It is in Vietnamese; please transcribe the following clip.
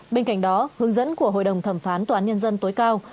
bên cạnh đó hướng dẫn của hội đồng thẩm phán tòa án nhân dân tối cao